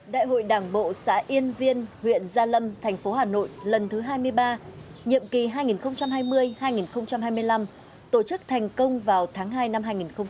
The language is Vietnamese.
đại hội đảng bộ xã yên viên huyện gia lâm thành phố hà nội lần thứ hai mươi ba nhiệm kỳ hai nghìn hai mươi hai nghìn hai mươi năm tổ chức thành công vào tháng hai năm hai nghìn hai mươi